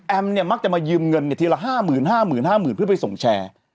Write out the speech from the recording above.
แอมเนี่ยมักจะมายืมเงินทีละห้าหมื่นห้าหมื่นห้าหมื่นเพื่อไปส่งแชร์